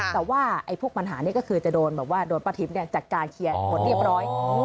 แต่ว่าพวกปัญหานี้ก็คือจะโดนปฏิบิตจากการเคลียร์หมดเรียบร้อย